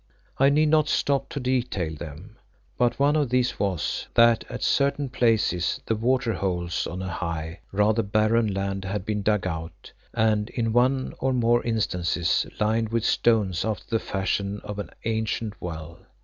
I need not stop to detail them, but one of these was that at certain places the water holes on a high, rather barren land had been dug out, and in one or more instances, lined with stones after the fashion of an ancient well.